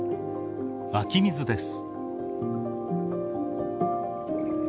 湧き水です。